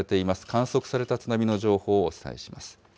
観測された津波の情報をお伝えします。